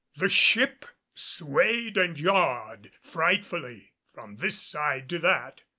The ship swayed and yawed frightfully from this side to that.